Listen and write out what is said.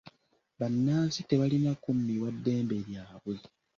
Bannansi tebalina kummibwa ddembe lyabwe.